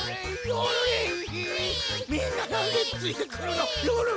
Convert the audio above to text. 「みんななんでついてくるの？